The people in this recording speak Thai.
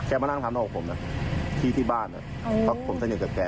แกจะมานั่งถามโน้นกับผมที่บ้านเพราะผมซะเงือดกับแก